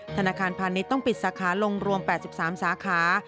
ธนาคารพาณิชย์ต้องปิดสาขาลงรวม๘๓สาขา